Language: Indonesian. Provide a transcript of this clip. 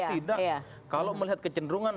tidak kalau melihat kecenderungan